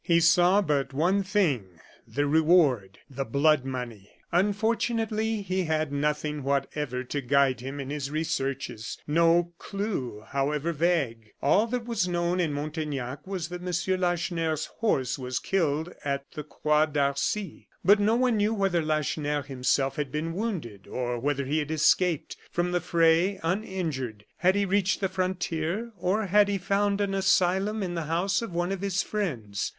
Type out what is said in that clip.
He saw but one thing the reward the blood money. Unfortunately, he had nothing whatever to guide him in his researches; no clew, however vague. All that was known in Montaignac was that M. Lacheneur's horse was killed at the Croix d'Arcy. But no one knew whether Lacheneur himself had been wounded, or whether he had escaped from the fray uninjured. Had he reached the frontier? or had he found an asylum in the house of one of his friends?